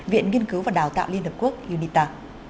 viện nghiên cứu và đào tạo liên hợp quốc unita